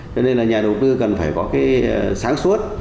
cho nên nhà đầu tư cần phải có sáng suốt